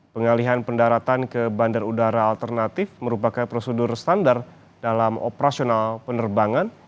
pengalihan pendaratan ke bandar udara alternatif merupakan prosedur standar dalam operasional penerbangan